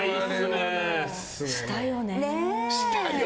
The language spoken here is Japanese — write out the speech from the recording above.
したよね。